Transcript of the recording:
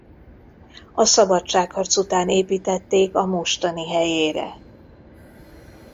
A szabadságharc után építették a mostani helyére.